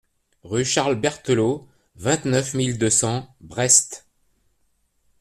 Rue Charles Berthelot, vingt-neuf mille deux cents Brest